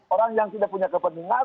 orang yang tidak punya kepentingan